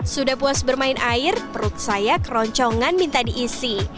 sudah puas bermain air perut saya keroncongan minta diisi